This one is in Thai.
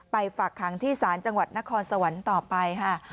ฝากขังที่ศาลจังหวัดนครสวรรค์ต่อไปค่ะ